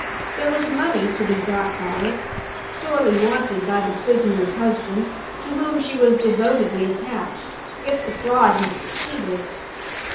There was money to be got by it (sorely wanted by the prisoner's husband, to whom she was devotedly attached), if the fraud had succeeded.